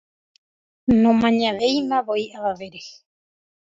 nomañavéimavoi avavére